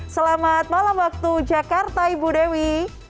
selamat malam waktu jakarta ibu dewi